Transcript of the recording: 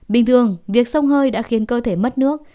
bình thường việc sông hơi đã khiến cơ thể mất nước